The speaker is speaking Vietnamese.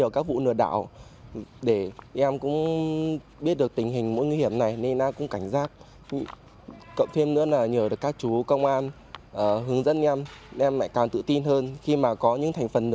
các đối tượng lừa đảo chiếm dụng tài sản trên không gian mạng